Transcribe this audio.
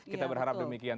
kita berharap demikian